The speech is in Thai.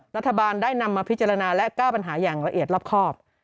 รัฐบาลได้นำมาพิจารณาและแก้ปัญหาอย่างละเอียดรอบครอบ